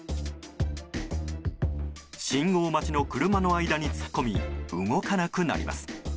信号待ちの車の間に突っ込み動かなくなります。